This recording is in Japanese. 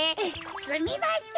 すみません。